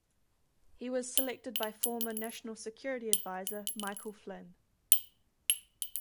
He was selected by former National Security Advisor Michael Flynn.